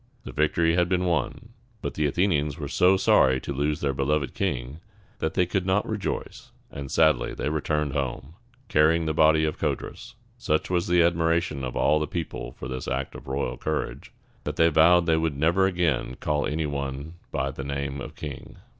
The victory had been won; but the Athenians were so sorry to lose their beloved king, that they could not rejoice, and sadly returned home, carrying the body of Codrus. Such was the admiration of all the people for this act of royal courage, that they vowed they would never again call any one by the name of king.